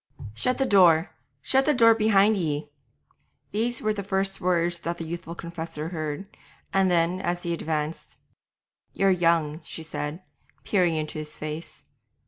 'Shut the door! shut the door behind ye!' These were the first words that the youthful confessor heard, and then, as he advanced, 'You're young,' she said, peering into his face.